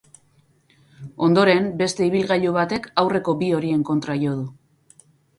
Ondoren, beste ibilgailu batek aurreko bi horien kontra jo du.